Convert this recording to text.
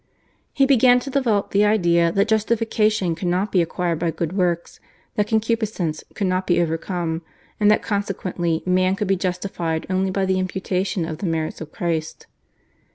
He began to develop the idea that justification could not be acquired by good works, that concupiscence could not be overcome, and that consequently man could be justified only by the imputation of the merits of Christ.